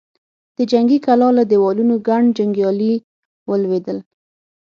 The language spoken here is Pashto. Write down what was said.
د جنګي کلا له دېوالونو ګڼ جنګيالي ولوېدل.